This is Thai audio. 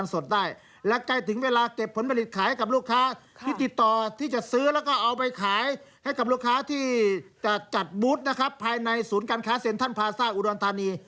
ในศูนย์การค้าเสียงท่านพลาซ่าอูดอนทานี